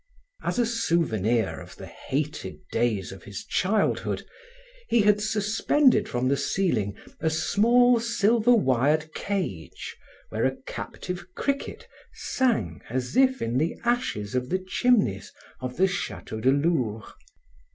As a souvenir of the hated days of his childhood, he had suspended from the ceiling a small silver wired cage where a captive cricket sang as if in the ashes of the chimneys of the Chateau de Lourps.